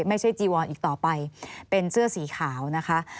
ไม่ใช่จีวอนอีกต่อไปเป็นเสื้อสีขาวนะคะ